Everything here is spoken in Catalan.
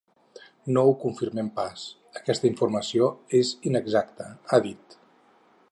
No ho confirmem pas, aquesta informació és inexacta, ha dit.